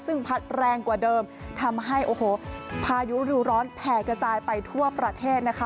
ซึ่งพัดแรงกว่าเดิมทำให้โอ้โหพายุรูร้อนแผ่กระจายไปทั่วประเทศนะคะ